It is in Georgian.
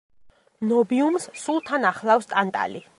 ნიობიუმს სულ თან ახლავს ტანტალი.